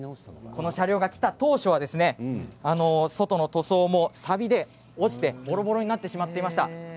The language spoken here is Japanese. この車両が来た当初は外の塗装もさびで落ちてぼろぼろになっていました。